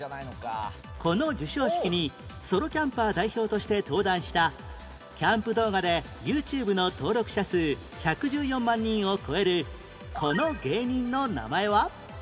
この授賞式にソロキャンパー代表として登壇したキャンプ動画で ＹｏｕＴｕｂｅ の登録者数１１４万人を超えるこの芸人の名前は？